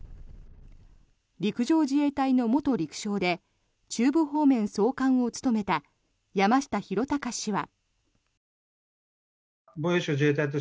陸上自衛隊の元陸将で中部方面総監を務めた山下裕貴氏は。